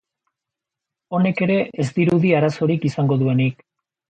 Honek ere ez dirudi arazorik izango duenik.